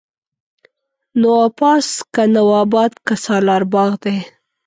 نواپاس، که نواباد که سالار باغ دی